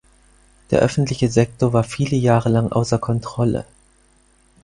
Der öffentliche Sektor war viele Jahre lang außer Kontrolle.